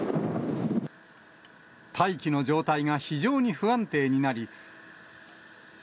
大気の状態が非常に不安定になり。